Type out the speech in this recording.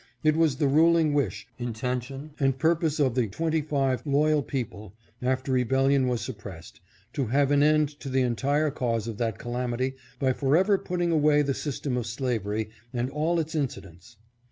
It was the ruling wish, intention, and purpose of the 25 610 OUR LEGAL CONDITION. loyal people, after rebellion was suppressed, to have an end to the entire cause of that calamity by forever put ting away the system of slavery and all its incidents.